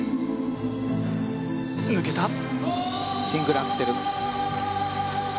シングルアクセル。